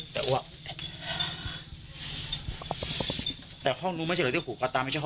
เล่ากันมาแป๊บขอดูนะจะอ้วก